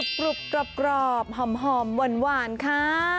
กรุบกรอบหอมหวานค่ะ